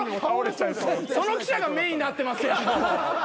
その記者がメインになってますやんもう。